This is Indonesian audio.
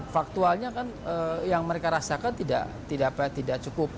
faktualnya kan yang mereka rasakan tidak cukup